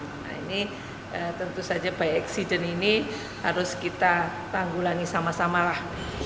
nah ini tentu saja by accident ini harus kita tanggulangi sama sama lah